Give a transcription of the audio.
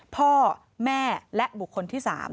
พ่อแม่และบุคคลที่๓